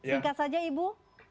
singkat saja ibu